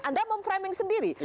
anda memframing sendiri